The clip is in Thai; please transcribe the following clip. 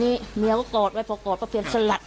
นี้เนี้ยเขากรอดไว้พอกรอดเพราะกรอดประเพียรสลัด